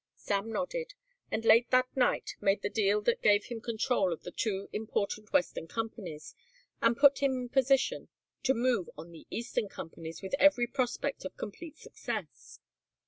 Sam nodded, and late that night made the deal that gave him control of the two important western companies and put him in position to move on the eastern companies with every prospect of complete success.